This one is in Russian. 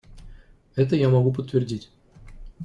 Это я могу подтвердить.